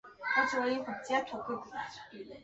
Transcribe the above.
以华丽画风见称。